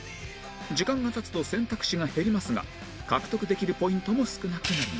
時間が経つと選択肢が減りますが獲得できるポイントも少なくなります